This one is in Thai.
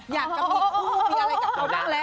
อยากจะมีคู่มีอะไรกับเขาบ้างแล้ว